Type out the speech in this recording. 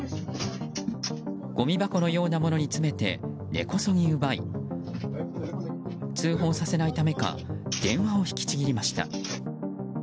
ごみ箱のようなものに詰めて根こそぎ奪い通報させないためか電話を引きちぎりました。